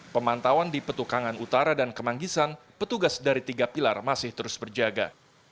pemantauan di petukangan utara dan kemanggisan petugas dari tiga pilar masih terus berjaga